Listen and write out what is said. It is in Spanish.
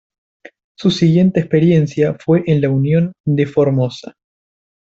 Su siguiente experiencia fue en La Unión de Formosa.